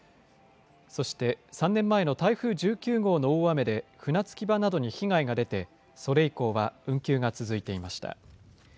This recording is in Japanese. そして、３年前の台風１９号の大雨で、船着き場などに被害が出て、それ以降は運休が続いていました。